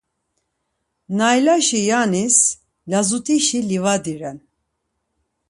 Naylaşi yanis lazut̆işi livadi ren.